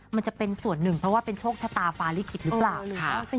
มันจะเป็นส่วนหนึ่งเพราะว่าเป็นโชคชะตาฟ้าลิขิตหรือเปล่า